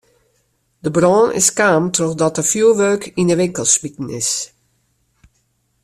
De brân is kaam trochdat der fjurwurk yn de winkel smiten is.